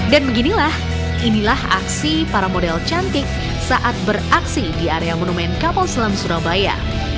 dan beginilah inilah aksi para model cantik saat beraksi di area monumen kapal selam surabaya